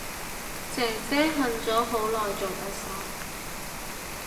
姐姐恨咗好耐做特首